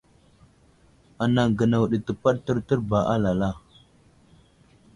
Anaŋ gənaw ɗi təpaɗ tərtər ba alala.